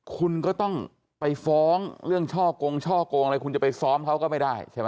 คุณก็ต้องไปฟ้องเรื่องช่อกงช่อกงอะไรคุณจะไปซ้อมเขาก็ไม่ได้ใช่ไหม